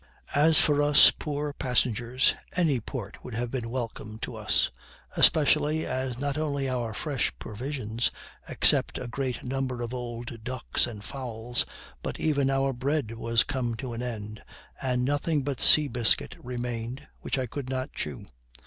As for us, poor passengers, any port would have been welcome to us; especially, as not only our fresh provisions, except a great number of old ducks and fowls, but even our bread was come to an end, and nothing but sea biscuit remained, which I could not chew.